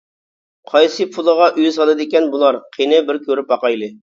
قايسى پۇلىغا ئۆي سالىدىكەن بۇلار، قېنى بىر كۆرۈپ باقايلى.